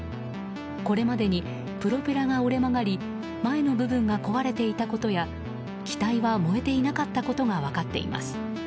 これまでにプロペラが折れ曲がり前の部分が壊れていたことや機体は燃えていなかったことが分かっています。